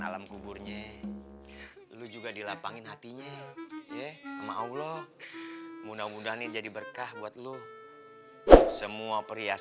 abad dan umi lu tuh dilapangkan abad dan umi lu tuh dilapangkan abad dan umi lu tuh dilapangkan